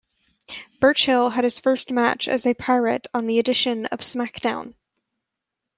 Burchill had his first match as a pirate on the edition of SmackDown!